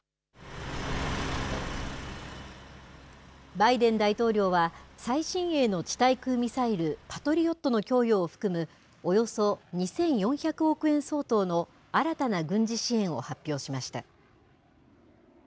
バイデン大統領は、最新鋭の地対空ミサイル、パトリオットの供与を含む、およそ２４００億円相当の新たな軍事支援を発表しました。